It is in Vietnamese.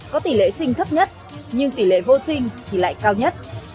có tỷ lệ sinh thấp nhất nhưng tỷ lệ vô sinh thì lại cao nhất